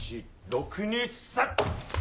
６２３。